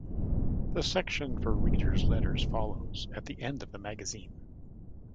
The section for readers' letters follows, at the end of the magazine.